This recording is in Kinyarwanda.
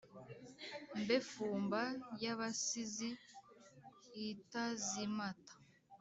mbe fumba y’abasizi itazimata